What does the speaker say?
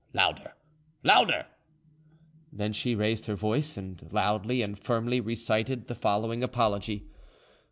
Louder, louder!" Then she raised her voice, and loudly and firmly recited the following apology.